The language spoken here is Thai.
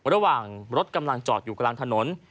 ระหว่างรถกำลังจอดอยู่กลางถนน